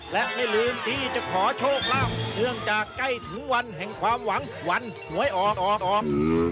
และไม่ลืมที่จะขอโชคลาภเนื่องจากใกล้ถึงวันแห่งความหวังวันหวยออกออก